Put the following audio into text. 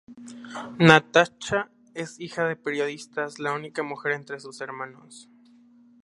Natascha es hija de periodistas, la única mujer entre sus hermanos.